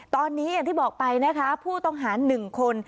ตอนนี้อย่างที่บอกไปนะคะผู้ต้องหา๑คน